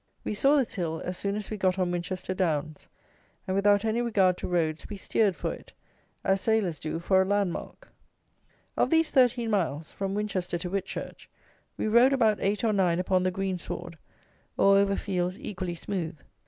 We saw this hill as soon as we got on Winchester Downs; and without any regard to roads, we steered for it, as sailors do for a land mark. Of these 13 miles (from Winchester to Whitchurch) we rode about eight or nine upon the green sward, or over fields equally smooth.